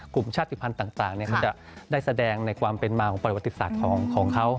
กลุ่มชาติภัณฑ์ต่างมันจะได้แสดงในความเป็นมาของประวัติศาสตร์ของเขา